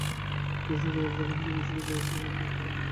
যে জাহাজে করে জাপান হতে পাসিফিক পার হওয়া গিয়েছিল, তাও ভারি বড় ছিল।